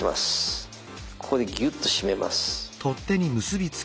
ここでギュッと締めます。